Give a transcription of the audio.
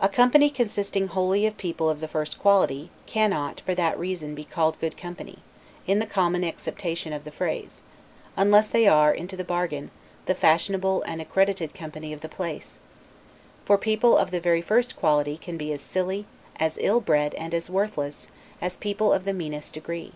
A company, consisting wholly of people of the first quality, cannot, for that reason, be called good company, in the common acceptation of the phrase, unless they are, into the bargain, the fashionable and accredited company of the place; for people of the very first quality can be as silly, as ill bred, and as worthless, as people of the meanest degree.